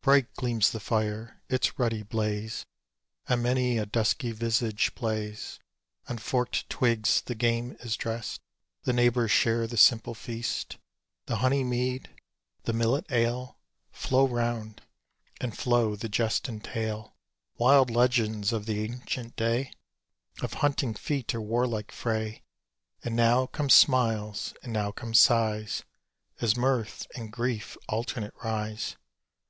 Bright gleams the fire: its ruddy blaze On many a dusky visage plays. On forkèd twigs the game is drest; The neighbours share the simple feast: The honey mead, the millet ale, Flow round and flow the jest and tale; Wild legends of the ancient day, Of hunting feat, of warlike fray; And now come smiles, and now come sighs, As mirth and grief alternate rise.